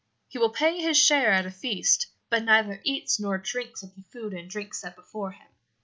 He will pay his share at a feast, but neither eats nor drinks of the food and drink set before him.